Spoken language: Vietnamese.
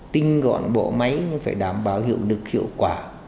tinh gọn bộ máy nhưng phải đảm bảo hiệu lực hiệu quả